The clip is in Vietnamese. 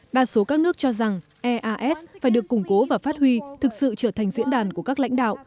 đa số các nước cho rằng eas phải được củng cố và phát huy thực sự trở thành diễn đàn của các lãnh đạo